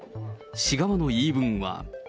市側の言い分は。